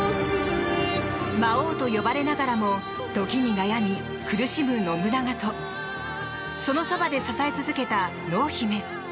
魔王と呼ばれながらも時に悩み苦しむ信長とそのそばで支え続けた濃姫。